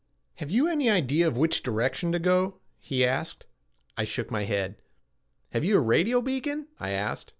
"Have you any idea of which direction to go?" he asked. I shook my head. "Have you a radio beacon?" I asked.